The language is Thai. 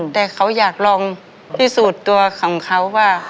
แต่เขาอยากลองพิสูจน์ตัวของเขาว่า